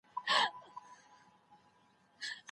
په کتابچه کي د خاطراتو لیکل یو ښه عادت دی.